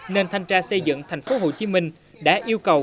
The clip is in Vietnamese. nên thanh tra xây dựng tp hcm đã yêu cầu